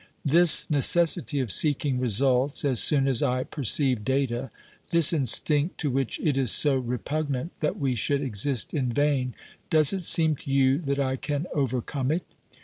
This necessity of seeking results as soon as I perceive data, this instinct to which it is so repugnant that we should exist in vain — does it seem to you that I can overcome it